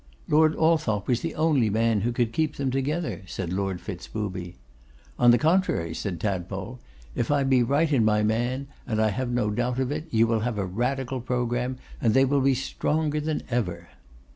'Lord Althorp was the only man who could keep them together,' said Lord Fitz Booby. 'On the contrary,' said Tadpole. 'If I be right in my man, and I have no doubt of it, you will have a radical programme, and they will be stronger than ever.